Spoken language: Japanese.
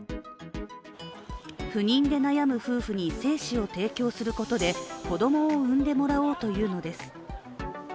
不妊で悩む夫婦に精子を提供することで子供を産んでもらおうというのです。